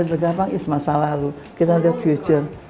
berdampak is masa lalu kita lihat future